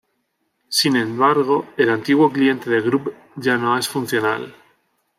Sin embargo, el antiguo cliente de Grub ya no es funcional.